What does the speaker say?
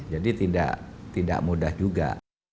jadi tidak mudah juga